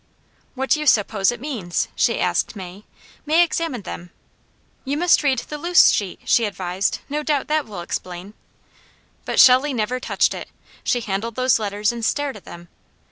"What do you suppose it means?" she asked May. May examined them. "You must read the loose sheet," she advised. "No doubt that will explain." But Shelley never touched it. She handled those letters and stared at them.